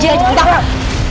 jangan jangan jangan